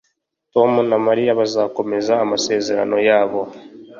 Tom na Mariya bazakomeza amasezerano yabo